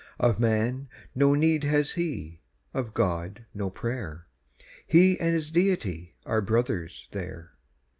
Of man no need has he, of God, no prayer; He and his Deity are brothers there.